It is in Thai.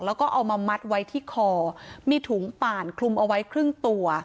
แล้วก็เอามามัดไว้ที่คอมีถุงป่านคลุมเอาไว้ครึ่งตัว